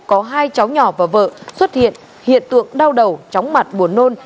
có hai cháu nhỏ và vợ xuất hiện hiện tượng đau đầu chóng mặt buồn nôn